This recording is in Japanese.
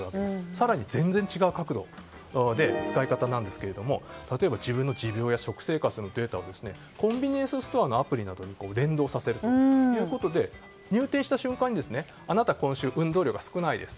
更に全然違う角度の使い方ですが自分の持病や食生活などのデータをコンビニエンスストアのアプリに連動させるということで入店した瞬間にあなた、今週運動量が少ないです